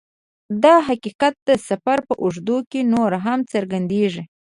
دا حقیقت د سفر په اوږدو کې نور هم څرګندیږي